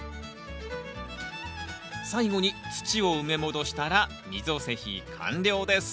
最後に土を埋め戻したら溝施肥完了です。